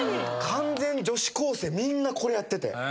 完全に女子高生みんなこれやってて。